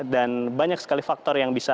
dan banyak sekali faktor yang terjadi